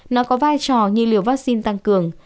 nó có vai trò như liều vaccine tăng cường